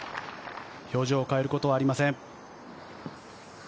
表情を変えることはありません。